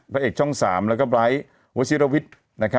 พระเอกช่อง๓แล้วก็ไบร์ทวชิรวิทย์